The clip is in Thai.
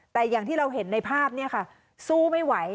แต่อย่างที่เราเห็นในภาพเนี่ยค่ะสู้ไม่ไหว